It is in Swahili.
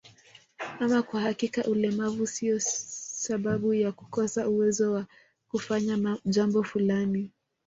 Ama kwa hakika ulemavu sio sio sababu ya kukosa uwezo wa kufanya jambo fulani